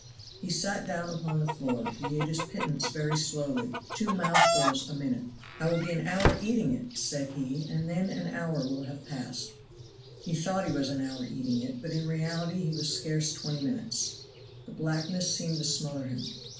He sat down upon the floor, he ate his pittance very slowly, two mouthfuls a minute. "I will be an hour eating it," said he, "and then an hour will have passed." He thought he was an hour eating it, but in reality he was scarce twenty minutes. The blackness seemed to smother him.